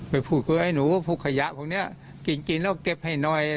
ไปพูดกับไอ้หนูพวกขยะพวกนี้กินแล้วเก็บให้น้อย